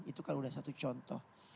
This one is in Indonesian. itu kan sudah satu contoh